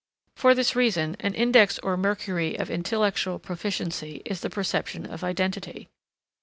For this reason, an index or mercury of intellectual proficiency is the perception of identity.